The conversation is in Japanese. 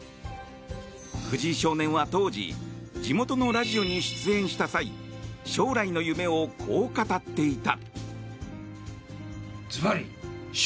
藤井少年は当時地元のラジオに出演した際将来の夢をこう語っていた。